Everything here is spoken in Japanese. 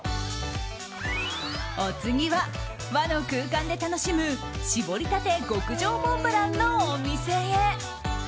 お次は、和の空間で楽しむ搾りたて極上モンブランのお店へ。